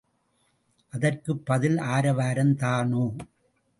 அதற்கு பதில் ஆரவாரம்தானோ?